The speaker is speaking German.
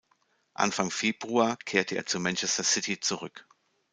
Anfang Februar kehrte er zu Manchester City zurück.